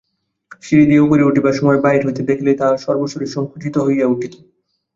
সিঁড়ি দিয়া উপরে উঠিবার সময় বাহির হইতে দেখিলেই তাহার সর্বশরীর সংকুচিত হইয়া উঠিত।